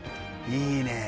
いいねえ！